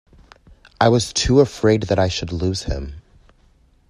I was too afraid that I should lose him.